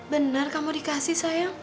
benar kamu dikasih sayang